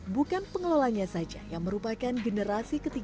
bukan pengelolanya saja yang merupakan generasi ketiga